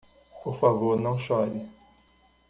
Por favor não chore.